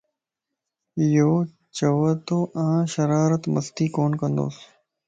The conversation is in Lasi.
يوچو توآن شرارت / مستي ڪون ڪندوس